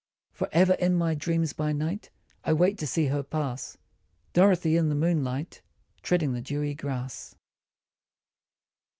For ever in my dreams by night I wait to see her pass Dorothy in the moonlight Treading the dewy grass.